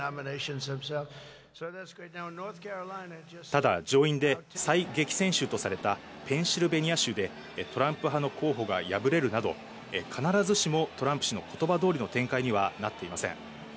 ただ上院で最激戦州とされたペンシルベニア州でトランプ派の候補が敗れるなど、必ずしもトランプ氏のことばどおりの展開にはなっていません。